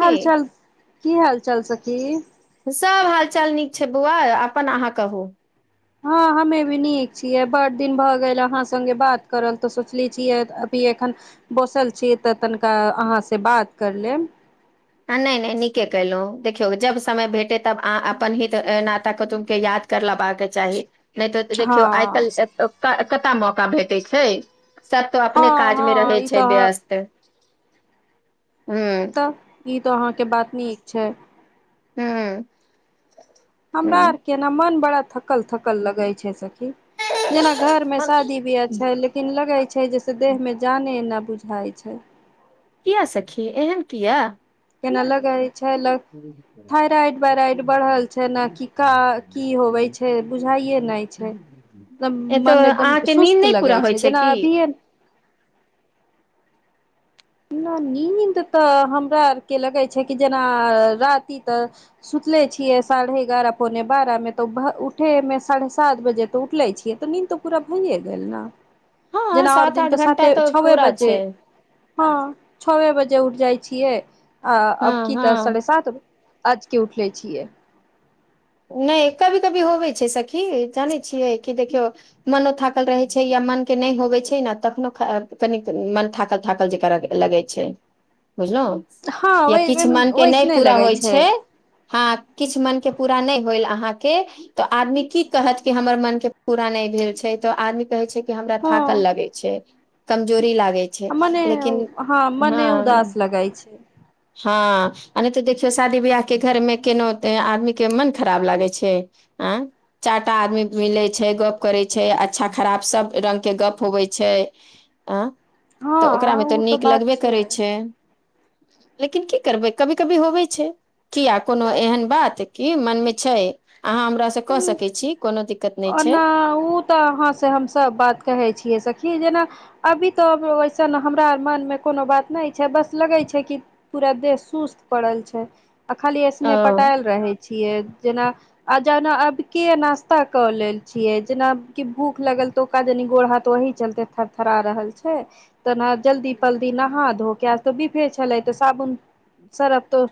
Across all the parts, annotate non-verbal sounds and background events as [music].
की चाल की हाल चाल सखी सब हाल चाल नीक छै बौआ अपन अहाँ कहू हँ हमे भी नीक छियै बड् दिन भऽ गेल अहाँ सङ्गे बात करल तऽ सोचले छियै की एखन बसल छी तऽ तनिका अहाँ से बात कर लेब आ नहि नहि नीके केलहु देखियौ जब समय भेटे तब आ अपन हित नात कुटुमब के याद कर लेबाक के चाही नहि तऽ हँ देखियौ आइ काल्हि कत मौका भेटै छै सभ तो हँ अपने हँ काजमे रहै ई छै तऽ व्यस्त हँ तऽ ई तऽ अहाँके बात नीक छै हँ हमरा अर के न मन बड़ा थकल थकल लगै छै सखी जेना घर मे शादी बियाह छै लेकिन लगै छै छै जैसे देहमे जाने न बुझाइ छै किया सखी एहन किया केनालगइ थइराइड वायराइड बढ़ल छैय न कि का की होवे छै बुझाए नैय छै ए तो मन एकदम अहाँके नींद सुस्त नहि पूरा लगै होइ छै जेना की अभिये न नीनीन्द तऽ हमरा अरके लगै छै कि जेना राती तऽ सु नचले छिये साढ़े एगारह पौने बारह में तऽ उठे में साढ़े सात बजे तऽ उठले छियै त हँ जेना आओर सात दिन आठ तऽ घंटा साते छये पूरा बजे छै हँ छवे बजे उठ जाइ छियै आ अब हँ की तऽ हँ साढ़े सात आज के उठले छियै नैय कभी कभी होबे छै सखी जानै छियै कि देखियौ मनो थाकल रहै छै या मन के नहि होबे छै न तखनो तनि मन थाकल थाकल जेका लगे छै बुझलौ हँ या किछ मनके नहि वैसने पूरा लगै होइ छै हँ किछ मनके पूरा नहि होइल अहाँके तऽ आदमी की कहत कि हमर मन के पूरा नहि भेल छै तऽ आदमी कहै छै हमरा थाकल हँ लगे छै कमजोरी लागै छै मने लेकिन हँ मने उदास लगै छै हँ नहि तऽ देखियौ शादी वियाह के घर मे केनो आदमी के मन खराब लागै छै आंय चारटा आदमी मिले छै गप करे छै अच्छा खराब सब रंग के गप होवै हँ तऽ ओकरामे तऽ ओ नीक बात लगबै करै छै लेकिन की करबै कभी कभी होबै छै किया कोनो एहन बात कि मनमे छै अहाँ हमरासँ कऽ सकै छी कोनो दिक्कत नहि छै ओना उ तऽ अहाँ से हमसभ बात कहै छियै जेना अभी तो वैसन हमरा मन मे कोनो बात नहि छै बस लगै छै कि पूरा देह सुस्त पड़ल छै आ खाली एसने ओ पटायल रहै छियै जेना जना आब के नश्ता कले छीयै जेना की भूख लगल तो ओका जनी गोड़ हाथ वही थरथरा रहल छै ते जल्दी पल्दी नहा धो तऽ बीफे छलै तऽ साबुन सर्फ तऽ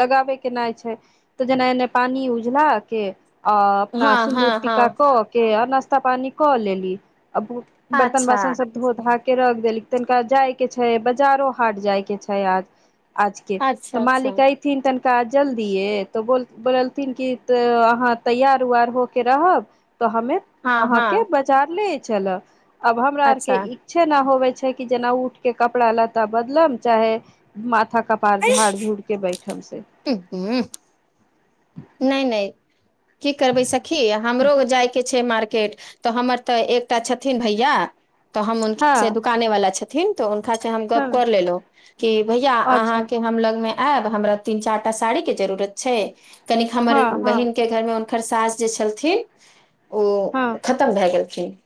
लगाबे के नहि छै तऽ जेना एना पानि उझला के आ अपना हँ हँ सिन्दूर हँ टीका कऽ के आ नाश्ता पानी कऽ लेली बर्तन अच्छा बासन सब धो धा के के रख देली तनिका जाय के छै बजारो हाट जाय के छै आजके अच्छा तऽ अच्छा मालिक एथिन का जल्दिए तऽ बोललथिन कि त अहाँ तैयार उयार होके रहब त हमे हँ अहा हँ के बजार ले चलब अब हमरा आर के अच्छा इच्छा न होवै जेना उठके कपड़ा लता बदल चाहे कपार झाड़ झूड़के बैठब से ह ह नहि नहि की करबै सखी हमरो जाय के छै मारकेट हमर तऽ एकटा छथिन भैया तऽ हम हँ दुकाने वाला छथिन खा छै हम गप्प हँ कऽ लेलौ की भैया अहा अच्छा के हम लग मे एयब हमरा तीन चार टा साड़ी के जरूरत छै तनिक हमर हँ हँ बहिन के घर में हुनकर सास जे छलथिन ओ हँ खतम भए गेलखिन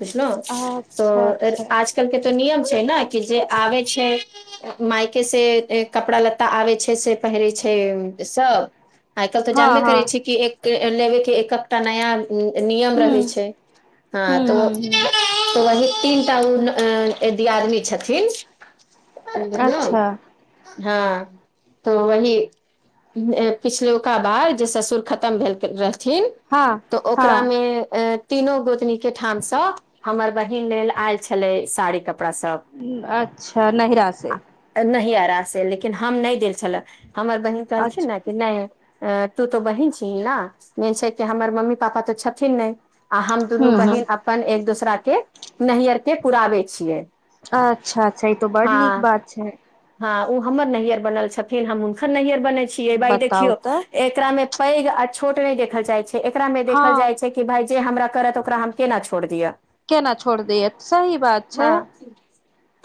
बुझ लौ अच्छा तऽ अच्छा आजकल के तऽ नियम छै ने कि जे आबे छै मायके से कपड़ा लत्ता आबे छै से पहिरे छै सब आइ काल्हि तऽ हँ जानबे हँ करै छी कि एक लेबे के एककटा नया नियम हूँ रहै छै हँ हूँ त हूँ हूँ वो वहि तीन टा ओ अं दियादनी छथिन बुझलहुँ अच्छा हँ तऽ वही एं पिछलो का बाद जे ससुर खत्म भेल रहथिन हँ तऽ हँ ओकरामे तीनो गोतनी के ठामसं हमर बहिन लेल आयल छलै साड़ी कपड़ा सब अच्छा नहिरा से आ नहि आयल से लेकिन हम नहि गेल छलौं हमर बहिन कहलखिन अच्छा न कि नहि अ तू त बहीन छीह न मेन छै कि हमर मम्मी पापा तऽ छथिन नहि आ हम दुनू हूँ हूँ बहिन अपन एक दोसराके नैहरके पुराबे छियै अच्छा अच्छा ई तो बड नीक हँ बात छै हँ ओ हमर नैहर बनल छथिन हम हुनकर नैहर बनै छयै भइ बताउ देखिय तऽ एकरा मे पैघ आ छोट नहि देखल जाइ छै एकरा मे देखल हँ जाय छै कि भाई जे हमर करत ओकरा हम केना छोड़ दिय केना छोड़ दिय सही बात छै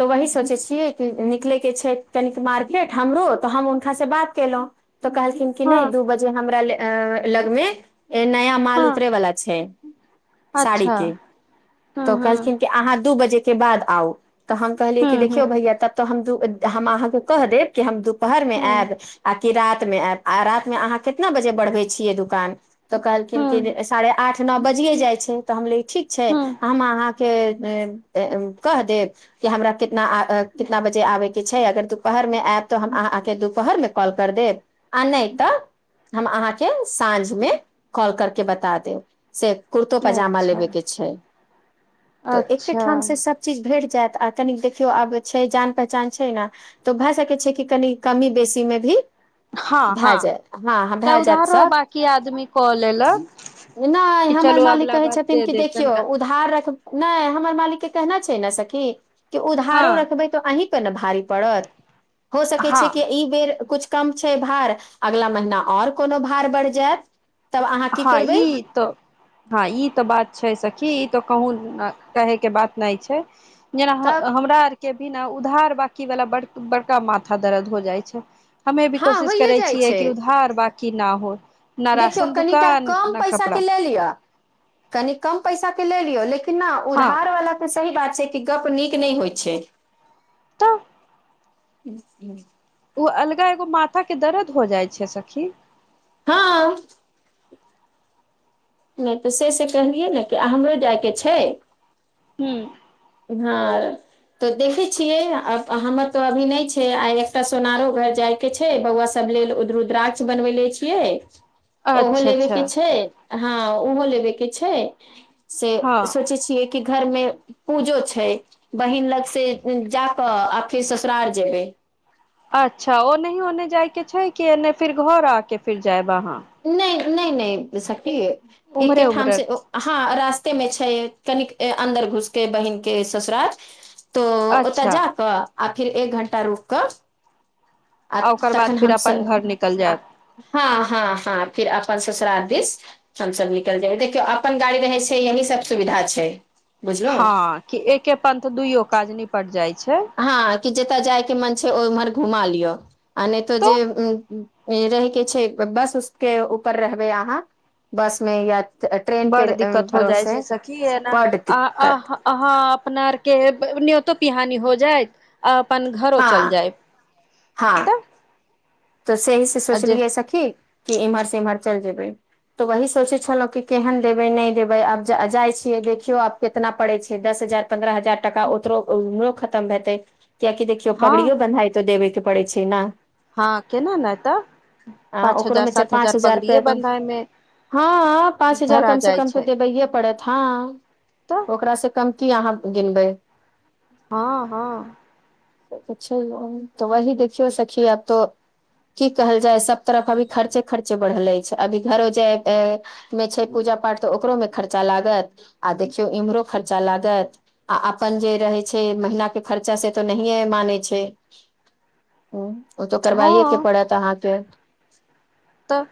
तो वही सोचै छियै कि निकलै छै कनि मार्केट हमरो तऽ हम हुनका से बात केलहुँ तऽ कहलखिन कि हँ नहि दू बजे हमरा ले अं लगमे नया माल हँ उतरे वाला छै अच्छा साड़ीेके हूँ तऽ हूँ कहलखिन कि अहाँ दू बजे के बाद आओ त हम कहलिए हूँ कि हूँ देखियौ भैया तब त हम दु बजे हम अहां स कहि देव कि हम दु दुपहरमे हूँ आयब आ कि राति मे आयब आ रातिमे अहाँ कितना बजे बढ़बै छियै दुकान तऽ कहलखिन हूँ कि साढ़े आठ नौ बजियए जाइ छै तऽ हमले ठीक छै हूँ हम अहाँ कि जे कह देव कि हमरा कितना आ कितना बजे आबे छै अगर दुपहर मे आयब तऽ हम अहाँके दुपहरमे कॉल करि देब आ नहि तऽ हम अहाँके साँझमे कॉल करिके बता देब से कुर्तो पैजामा अच्छा लेबेके छै तऽ अच्छा एकेठामसं सभ चीज भेट जायत आ तनि देखियौ आब छै जान पहचान छै ने तऽ भए सकै छै कि कनि कमी बेसी मे भी हँ भए हँ जायत हँ हं भए जायत चौधारो सब बाकी आदमी कऽ लेलक कि हमर चलू मालिक अगला कहै बार छथिन दे कि देब देखियौ तनिका उधार रख नहि हमर मालिक के कहना छै ने सखी कि उधारो हँ रखबै तऽ अहीं पर ने भारी पड़त हो सकै हँ छै कि एहि बेर किछु कम छै भार अगला महिना आओर कोनो भार बढ़ि जायत तब अहाँ की हँ करबै ई तऽ हँ ई तऽ बात छै सखी त कहुं अं कहिके बात छै जेना हं तब हमरा आओरके बिन उधार बांकी वाला बड बड़का माथा दर्द हो जाइ छै हमे भी हँ कोशिश होइए करै जाइ छियै छै कि उधार बाकी ना हो न देखियौ राशन दुक कनिटा कम पैसा के ले लिअ कनि कम पैसा के ले लियौ लेकिन न हँ उधार वला के सही बात कि गप्प नीक नहि होइ छै तऽ [unintelligible] ओ अलगे एगो माथाके दर्द हो जाइ छै सख्खी हँ नहि तऽ से से कहलियै ने कि हमरो जायके छै हुं हँ तऽ देखे छियै अं हमर तऽ अभी नहि छै आइ एकटा सोनारो घर जाय के छै बौआ सब लेल रुद रुद्राक्ष बनबैले छियै ओहो अच्छा अच्छा लेबेके छै हँ ओहो लेबेके छै से हँ सोचै चियै कि घरमे पूजो छै बहिन लग से जाकऽ आ फेर ससुरार जेबै अच्छा ओ नहि ओने जायके छै कि एने फिर घर आके फिर जायबहाँ नहि नहि नहि सठी उम्हरे एके ठाम उम्हरे से हँ रास्ते मे छै कनिक अन्दर घुसके बहिनक के ससुरार तो ओतय अच्छा जाकऽ आ फिर एक घण्टा रुक कऽ आ ओकर बाद तखन फिर हम अपन घर निकल जायब हँ हँ हँ फिर अपन ससुरार स हमस निकल जाइब देखियौ अपन गाड़ी रहै छै यही सब सुविधा छै बुझलहु हँ कि एके पन्थ दुइयो काज निपट जाइ छै हँ कि जतय जाय के मन छै ओ उम्हर घुमा लिअ आ नहि तऽ जे तो रहै के छै बस उसके ऊपर रहबै अहाँ बस मे या ट्रेन के बड़ दिक्कत हो जाइ छै भरोसे सखी ने बड दिक्कत अहाँ अपना आरके न्योतो पिहानी हो जाय आ अपन घरो चल हँ जायब हँ तऽ तऽ सही से जे सोचलियै सखी कि इम्हर से इम्हर चलि जेबै तऽ वही सोचै छलहुँ कि केहन देबै नहि देबै आब जाइ छियै देखियौ आब केितना पड़ैत छै दस हजार पन्द्रह हजार टका ओ उमरो खतम हेतै कियाकि देखियौ हँ पगड़ियो बन्हाई तो देबे के पड़े छै ने हँ केना ने तऽ आ पाँच ओकरो हजार मे चार सात पाँच हजार पगड़िये रुपआ बन्धा मे हँ पाँच हजार कम से कम तऽ देबैए पड़त हँ तऽ ओकरा से कम की अहाँ गिनबै हँ हँ अच्छा तऽ वही देखियौ सखी आब त की कहल जाय सब तरफ अभी खर्चे खर्चे बढ़ल अछि छै अभी घरो जाय मे छै पूजा पाठ तऽ ओकरो में खर्चा लागत आ देखियो इम्हरो खर्चा लागत आ अपन जे रहे छै महिना के खर्चा से तऽ नहिए मानै छै हूँ, [unintelligible] ओ तऽ करबाइए हँ के पड़त अहाँके तऽ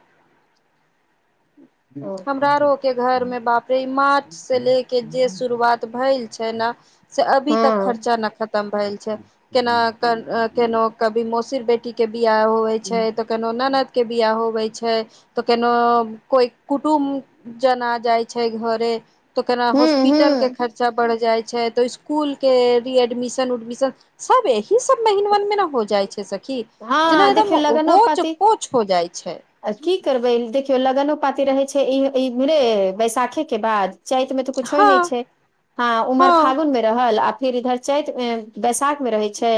हँ हमरा रोक के घर मे बापरे मार्च से ले के जे शुरुआत भेल छै ने त हूँ खर्चा नहि खतम भेल छै केना के केनो कभी मोसीर बेटी के बियाह होवै छै तऽ केनो ननद के बिआ होवै छै तऽ केनो कोइ कुटुम्ब जना जाय छै घरे तो केना हॉस्पिटल के हूँ खर्चा बढ़ जाय छै तऽ स्कुल के एडमिशन उडमिशन सब एहिह सब मेहन मन मे न हो जाइ छै सखी जेना हँ एकदम देखियौ लगनो होच पाति पोच हो जाइ छै आ की करबै देखियौ लगनो पाती रहे छै ई ई मरे बैसाखे के बाद चैत मे तऽ कुछो हँ नहि छै हँ उमर हँ फागुन मे रहल आ फिर इधर चैत बैसाख मे रहे छै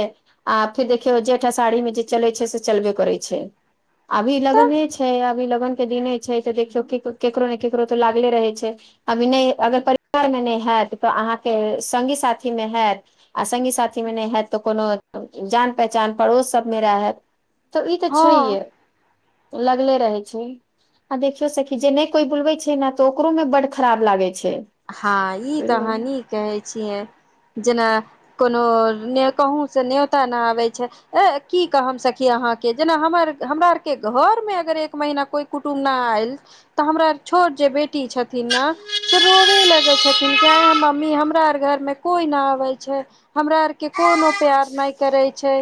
आ फिर देखियौ जेठ हरहि मे जे चले छै जे चलबे करे छै अभी तऽ लग्ने छै अभी लग के दिन छै त देखियौ केकरो ने केकरो तऽ लागले रहे छै अभी नहि अगर परिवार मे नहि हैत ते अहाँ के संगी साथि मे हैत अ संगि साथि मे नै हैत त कोनो पहचान पड़ोस सब मे रह हब तऽ ई तऽ हँ छैहे लगले रहे छै आ देखियो सखी जे नहि कोई बोलवे छै ने त ओकरो में बड खराब लागे हँ ई तऽ हहान कहै छियै जेना कोनो कहू से न्योता नै आबे छै ऐ कि कहम सखी अहाँ के ज हमर हमरा आर के घर मे अगर एक महीना कोई कुटुम्ब न आयल तऽ हमरा छोट जे बेटी छथिन नाह सी होबे लगे छथिन आ मम्मी हमरा आर घर मे कोई न आबे छै हमरा आर के कोनो प्यार नहि करै छै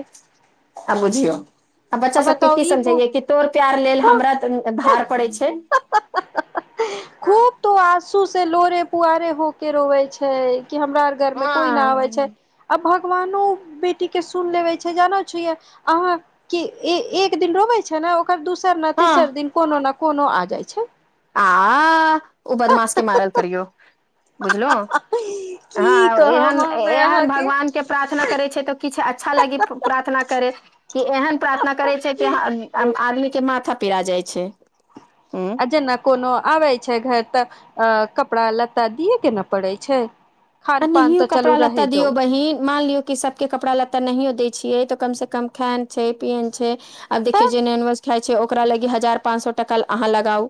आ बुझियो आ बच्चा सबके बताउ की ई समझैया कि तोर प्यार लेल हमरा भार पड़ै छै हँ खूब तो आँसू से लोरे पुआरे हो के रोवे छै हमरा आर घरमे कोइ ना आबै छै अब भकवानो बेटी के सुन लेवे छै जानै छीयै अहा के एक एक दिन रोवे छै ना ओकर दोसर ने हँ तेसर दिन कोनो ना कोनो आ जाइ छै आ ओ बदमाश के मारल करियौ बुझलो की हाँ कहब एहन हमे एहन अहाँके भगवानके प्रार्थना करै छै तऽ किछ अच्छा लागि प्रार्थना करै एहन प्रार्थना करै छै कि आदमी के माथा पिरा जाइ छै उं अ जेना कोनो आबै छै घर तऽ अ कपड़ा लत्ता दियए के ने पड़ै छै आ खान पान नहियो तऽ कपड़ा चलू लत्ता रहे दो दियौ बहिन मान लियौ कि सबके कपा लत्ता नहियो दै छियै तऽ कम से कम खाय छै पियन छै आब देखियौ तऽ जे नॉनवेज खाइ छै ओकरा लागी हजार पाँच सौ टका लगाउ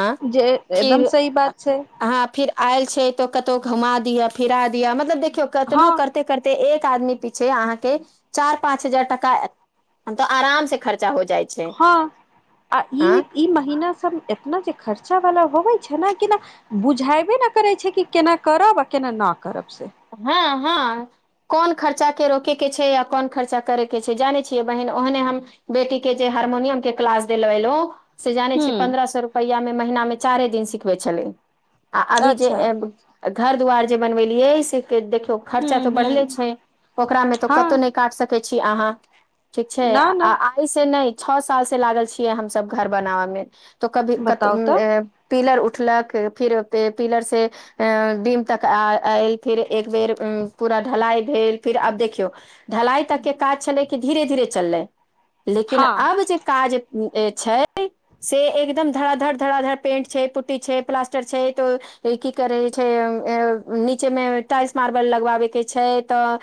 आ जे एकदम फिर सही बात छै हाँ फिर आयल छै तो कतउ घुमा दिह फिरा दिह मतलब देखियौ कतनो हँ करते करते एक आदमी पीछे अहाँके चार पाँच हजार टका हम तऽ आराम से खर्च हाँ ई आँ ई महीना सब एतना जे खर्च बचा वाला होबे छै ने केना बुझेबे नहि करे छै कि केना करब आ केना न करब से हाँ हाँ कोन खर्चा के रोके के छै या कोन खर्चा करे के छै जाने छियै बहिन ओहने हम बेटी के जे हार्मोनियम के क्लास देलयलो से जानै छै हूँ पंन्द्रह सौ रुपैआ मे महीना मे चारे दिन सिखबै छलै आ अभी जे अच्छा घर दुवार जे बनबेलियए से के देखियौ हूँ खर्चा तऽ बढ़ले हूँ छै ओकरामे तऽ कतहु हँ नहि काट सकै छी आहाँ ठीक छै न आ न आइ से नहि छौ साल से लागल छियै हमसब घर बनाबय मे त कभी कत बताउ तऽ पीलर उ उठलक फिर पिलर से डिम तक आ ए इ फिर एकबेर पूरा ढलाई भेल फिर आब देखियौ ढलाई तक के काज छले की धीरे धीरे चललै लेकिन हँ अब जे काज छै से एकदम धरा धड़ धरा धड़ पेंट छै पुटटी छै प्लास्टर छै तऽ की करै छै न [unintelligible] से टाइल्स मारबल लगबाबे के छै त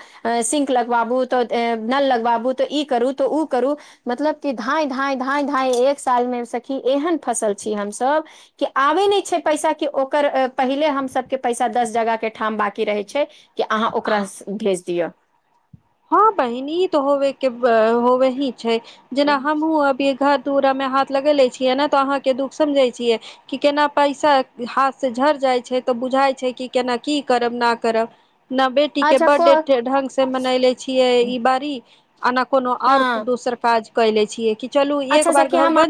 सिंक लगबाबू तऽ नल लगबाबू त ई करू त ओ करू मतलब क धाय धाय धाय धाय एक साल मे सखी एहन फसल छी हमसब कि आबे नहि छै पैसा कि ओकर पहिले हमसबके पैसा दस जगह के ठाम बाकी रहै छै कि अहाँ ओकरा भेज दियअ हँ बहिनी ई तऽ होबे के होबे ही छै जेना हमहुँ अभी घर मे हाथ लगेेले छीयै ने तो अहा के दुख समझे छीयै कि केना पैसा हाथ से झड़ इ छै तऽ बुझाई छै कि केना की करब ना करब न बेटी के अच्छा को बर्थडे ढंग से मनैले छियै ई बारी आना कोनो आओर हँ दोसर काज क ले छीयै कि चलू एक अच्छा बार सखी घर हम बन